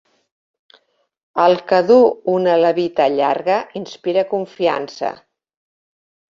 El que du una levita llarga inspira confiança